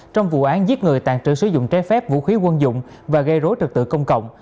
trong vụ án giết người tạng trừ sử dụng trái phép vũ khí quân dụng và gây rối trực tự công cộng